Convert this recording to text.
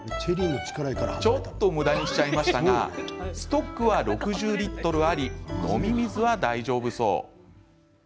ちょっとむだにしちゃいましたがストックは６０リットルあり飲み水は大丈夫そう。